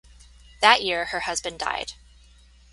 That year her husband died.